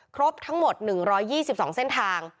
ครบทั้งหมด๑๒๒เส้นทาง